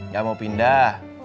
gak mau pindah